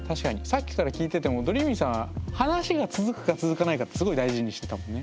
さっきから聞いててもどりーみぃさんは話が続くか続かないかってすごい大事にしてたもんね。